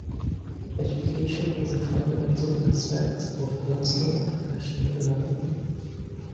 Education is a fundamental aspect of personal and professional development.